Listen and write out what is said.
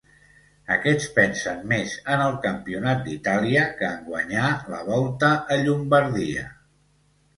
Aquests pensen més en el campionat d'Itàlia que en guanyar la Volta a Llombardia.